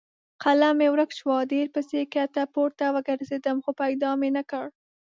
قلم مې ورک شو؛ ډېر پسې کښته پورته وګرځېدم خو پیدا مې نه کړ.